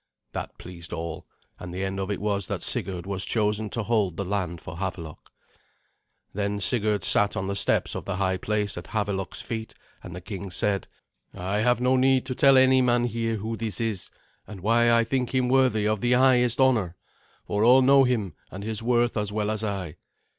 That pleased all, and the end of it was that Sigurd was chosen to hold the land for Havelok. Then Sigurd sat on the steps of the high place at Havelok's feet, and the king said, "I have no need to tell any man here who this is, and why I think him worthy of the highest honour, for all know him and his worth as well as I.